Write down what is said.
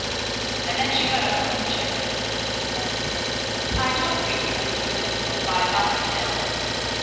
And then she got up from her chair. "I don't think it would have been so difficult if I had not been ill."